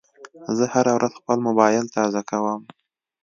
زه هره ورځ خپل موبایل تازه کوم.